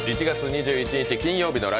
１月２１日